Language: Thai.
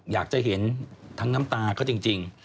อยากจะเห็นทั้งน้ำตาเขาจริง